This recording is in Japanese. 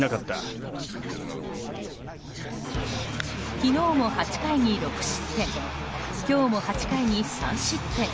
昨日も８回に６失点今日も８回に３失点。